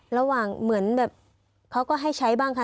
ระหว่างเหมือนแบบเขาก็ให้ใช้บ้างคะ